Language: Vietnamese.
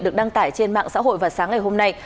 được đăng tải trên mạng xã hội vào sáng ngày hôm nay